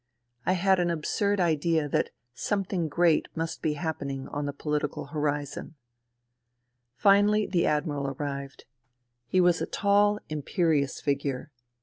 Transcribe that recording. I had an absurd idea that something great must be happening on the poHtical horizon. Finally the Admiral arrived. He was a tall, imperious figure.